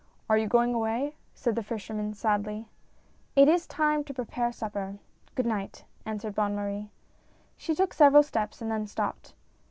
"Are you going away?" said the fisherman, sadly. "It is time to prepare supper. Good night," an swered Bonne Marie. She took several steps, and then stopped.